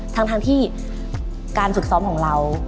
ทั้งที่การฝึกซ้อมของเรา